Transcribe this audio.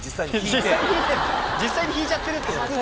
実際にひいちゃってるってこと？